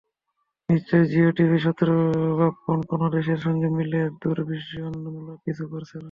নিশ্চয়ই জিয়ো টিভি শত্রুভাবাপন্ন কোনো দেশের সঙ্গে মিলে দুরভিসন্ধিমূলক কিছু করছে না।